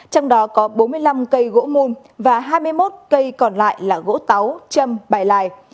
trong đó có bốn mươi năm cây gỗ mùn và hai mươi một cây còn lại là gỗ táo châm bài lài